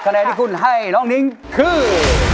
แนนที่คุณให้น้องนิ้งคือ